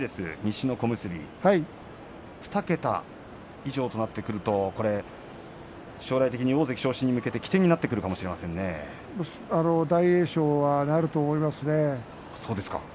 西の小結２桁以上となってくると将来的に大関昇進に向けての起点になってくる大栄翔はなると思いますね。